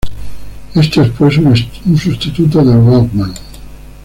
Esto es pues, un sustituto del Walkman.